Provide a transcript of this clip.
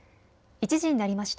１時になりました。